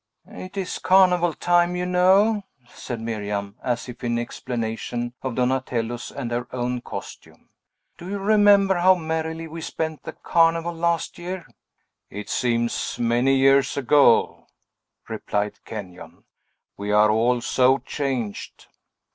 "It is carnival time, you know," said Miriam, as if in explanation of Donatello's and her own costume. "Do you remember how merrily we spent the Carnival, last year?" "It seems many years ago," replied Kenyon. "We are all so changed!"